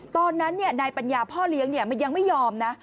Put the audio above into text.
ตอนนั้นนายปัญญาพ่อเลี้ยงยังไม่ยอมนะ